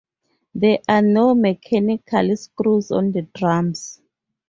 There are no mechanical screws on the drums.